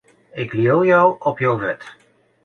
Ik leau jo op jo wurd.